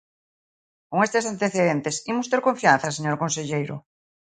Con estes antecedentes, ¿imos ter confianza, señor conselleiro?